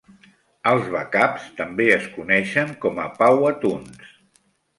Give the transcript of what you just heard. Els bacabs també es coneixen com a "pauahtuns".